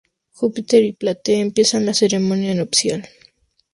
Júpiter y Platea empiezan la ceremonia nupcial.